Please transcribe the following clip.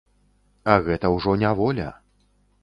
А гэта ўжо няволя.